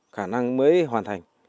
khả năng mới hoàn thành